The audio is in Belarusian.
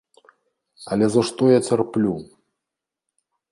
Але за што я цярплю?